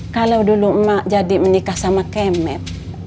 kalau dulu emak jadi menikah sama kemet